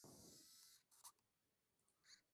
A veces como decoración de ciertas tapas.